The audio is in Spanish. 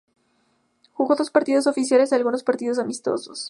Jugó dos partidos oficiales y algunos partidos amistosos.